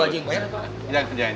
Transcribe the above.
gua aja yang bayar apaan